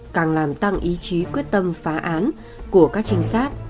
càng làm tăng ý chí quyết tâm phá án của các trinh sát